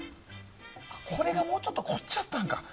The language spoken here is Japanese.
これがもうちょっとこっちやったんか。